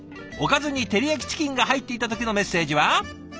おかずに照り焼きチキンが入っていた時のメッセージは。